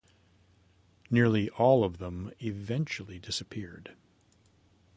Nearly all of them eventually disappeared.